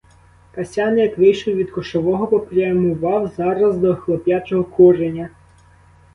Касян, як вийшов від кошового, попрямував зараз до хлоп'ячого куреня.